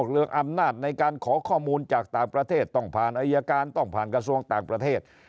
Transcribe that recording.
เลือกอำนาจในการขอข้อมูลจากต่างประเทศต้องผ่านอายการต้องผ่านกระทรวงต่างประเทศ